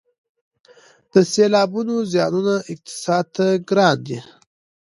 د سیلابونو زیانونه اقتصاد ته ګران دي